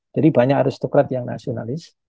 jadi banyak aristokrat yang nasionalis